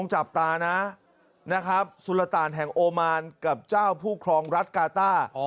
จับตานะนะครับสุรตานแห่งโอมานกับเจ้าผู้ครองรัฐกาต้า